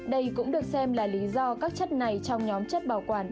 đây cũng được xem là lý do các chất này trong nhóm chất bảo quản